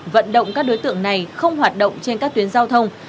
vận động các đối tượng này không hoạt động trên các tuyến giao thông